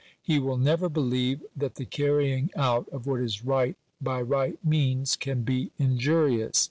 He will never believe that the carrying out of what is right by right means, can be injurious.